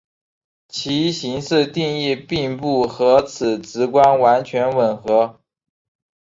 其形式定义并不和此直观完全吻合。